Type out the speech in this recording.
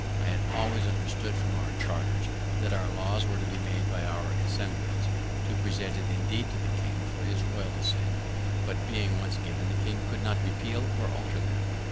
I had always understood from our charters that our laws were to be made by our Assemblies, to be presented indeed to the king for his royal assent, but that being once given the king could not repeal or alter them.